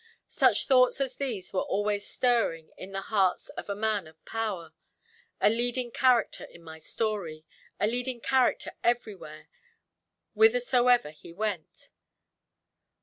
Such thoughts as these were always stirring in the heart of a man of power, a leading character in my story, a leading character everywhere, whithersoever he went.